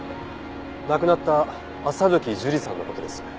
亡くなった朝吹樹里さんの事です。